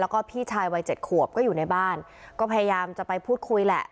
ก็พยายามจะไปพูดคุยแหละ